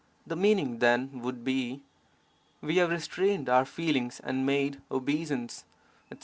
The meaning then would be: 'We have restrained our feelings and made obeisance/ etc.